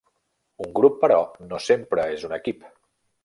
Un grup, però, no sempre és un equip.